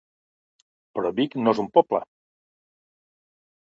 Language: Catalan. —Però Vic no és un poble.